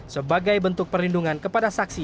sebagai bentuk perlindungan kepada saksi